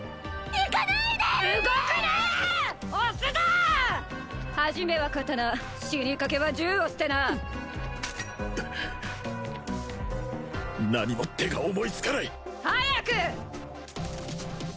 一は刀死にかけは銃を捨てな何も手が思いつかない早く！